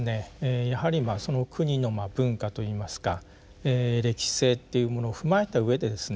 やはりまあその国の文化といいますか歴史性というものを踏まえたうえでですね